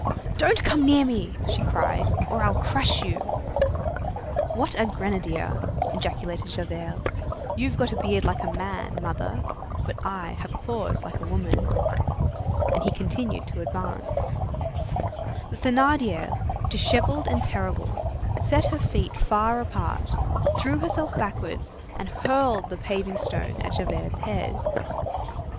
"Don't come near me," she cried, "or I'll crush you." "What a grenadier!" ejaculated Javert; "you've got a beard like a man, mother, but I have claws like a woman." And he continued to advance. The Thénardier, dishevelled and terrible, set her feet far apart, threw herself backwards, and hurled the paving stone at Javert's head.